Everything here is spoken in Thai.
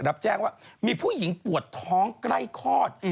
รับแจ้งว่ามีผู้หญิงปวดท้องใกล้คลอด